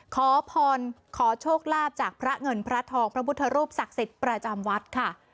ขอพรขอโชคลาภจากพระเงินพระทองพระพุทธรูปศักดิ์สิทธิ์ประจำวัดค่ะ